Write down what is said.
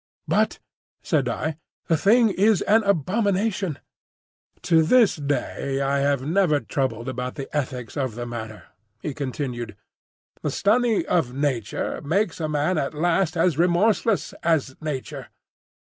"But," said I, "the thing is an abomination—" "To this day I have never troubled about the ethics of the matter," he continued. "The study of Nature makes a man at last as remorseless as Nature.